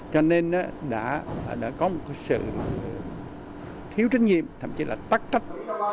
cho nên đã có một sự thiếu trách nhiệm thậm chí là tắc trách